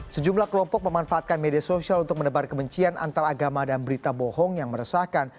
sejumlah kelompok memanfaatkan media sosial untuk menebar kebencian antara agama dan berita bohong yang meresahkan